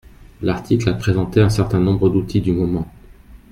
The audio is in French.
L’article a présenté un certain nombres d’outils du moment.